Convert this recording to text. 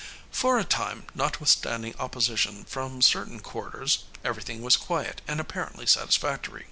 For a time, notwithstanding opposition from certain quarters, everything was quiet and apparently satisfactory.